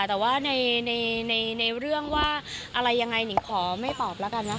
แต่ว่าในเรื่องว่าอะไรยังไงนิงขอไม่ตอบแล้วกันนะคะ